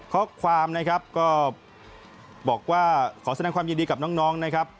ข้อความนะครับก็บอกว่าขอแสดงความยินดีกับน้องนะครับ